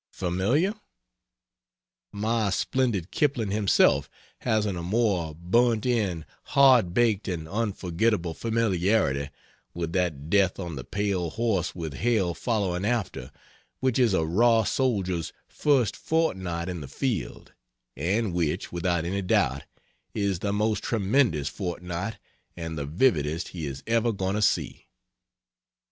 Familiar? My splendid Kipling himself hasn't a more burnt in, hard baked, and unforgetable familiarity with that death on the pale horse with hell following after, which is a raw soldier's first fortnight in the field and which, without any doubt, is the most tremendous fortnight and the vividest he is ever going to see.